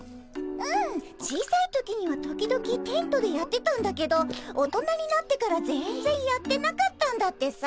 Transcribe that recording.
うん小さい時には時々テントでやってたんだけど大人になってから全然やってなかったんだってさ。